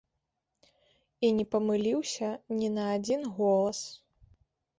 І не памыліўся ні на адзін голас!